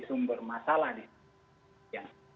sumber masalah di sana